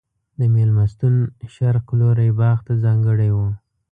د مېلمستون شرق لوری باغ ته ځانګړی و.